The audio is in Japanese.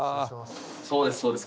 そうですそうです。